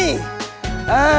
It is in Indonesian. pusing pusing kepala aku